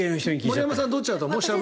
森山さんどっちだと思う？